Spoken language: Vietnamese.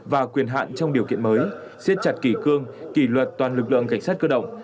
và quyền hạn trong điều kiện mới xiết chặt kỷ cương kỷ luật toàn lực lượng cảnh sát cơ động